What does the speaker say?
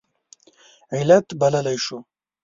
علت بللی شو.